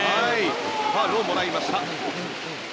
ファウルをもらいました。